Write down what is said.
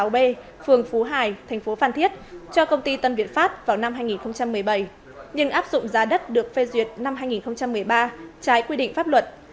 phường b phường phú hải thành phố phan thiết cho công ty tân việt pháp vào năm hai nghìn một mươi bảy nhưng áp dụng giá đất được phê duyệt năm hai nghìn một mươi ba trái quy định pháp luật